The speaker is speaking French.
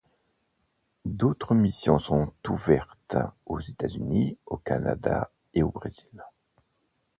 D'autres missions sont ouvertes aux États-Unis, au Canada et au Brésil.